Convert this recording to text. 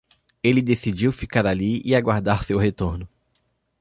Ele decidiu ficar ali e aguardar seu retorno.